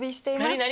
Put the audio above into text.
何？